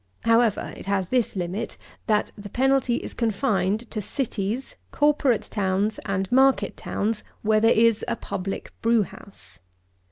However, it has this limit; that the penalty is confined to Cities, Corporate Towns, and Market Towns, WHERE THERE IS A PUBLIC BREWHOUSE.